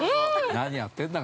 ◆何やってんだか。